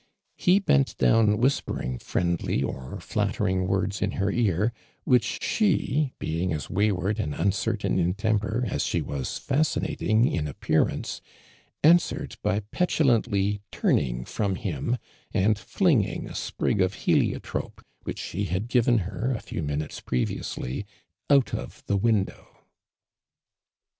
He bent down whispering fiiendly or fiatterino; words in her ear, nhich she, being as wayward and uncertain in temper as she was fascinating in appear ance, answered by petulantly turning from liim and flinging a sprig of heliotrope, which ho had given her a few minutes previously, out of the window.